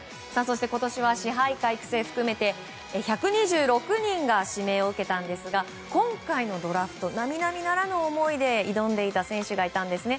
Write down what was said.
今年は支配下・育成を含めて１２６人が指名を受けたんですが今回のドラフト並々ならぬ思いで挑んでいた選手がいたんですね。